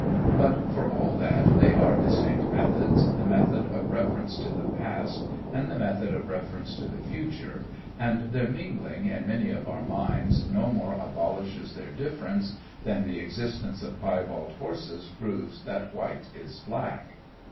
But for all that they are distinct methods, the method of reference to the past and the method of reference to the future, and their mingling in many of our minds no more abolishes their difference than the existence of piebald horses proves that white is black.